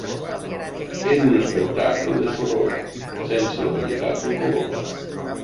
Era un espectacle de soroll, sense la varietat del color.